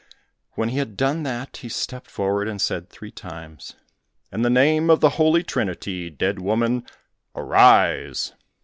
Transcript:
When he had done that, he stepped forward and said three times, "In the name of the holy Trinity, dead woman, arise."